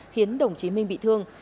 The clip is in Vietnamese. khiến đồng chí minh bị thương